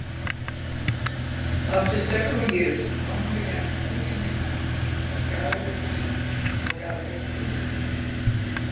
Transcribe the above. After several years, Ron began promoting his act as Gallagher Too or Gallagher Two.